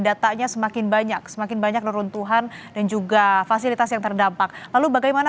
datanya semakin banyak semakin banyak neruntuhan dan juga fasilitas yang terdampak lalu bagaimana